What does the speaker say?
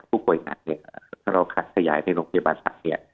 ผู้ป่วยหนักถ้าเราขาดขยายในโรงพยาบาลหลัก